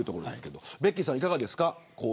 ベッキーさんはいかがですか。